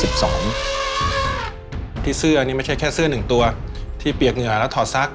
ที่เสื้อนี่ไม่ใช่แค่เสื้อหนึ่งตัวที่เปียกเหงื่อแล้วถอดซัก